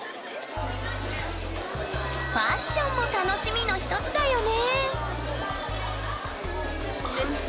ファッションも楽しみの一つだよね！